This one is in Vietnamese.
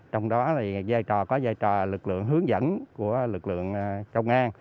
trong đó có giai trò lực lượng hướng dẫn của lực lượng công an